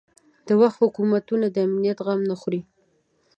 د وخت حکومتونه د امنیت غم نه خوري.